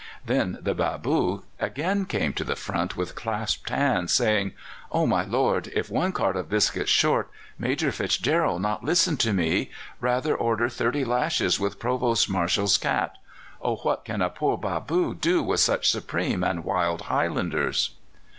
"Then the bâboo again came to the front with clasped hands, saying: 'Oh, my lord if one cart of biscuits short, Major Fitzgerald not listen to me; rather order thirty lashes with Provost Marshal's cat. Oh, what can a poor bâboo do with such supreme and wild Highlanders?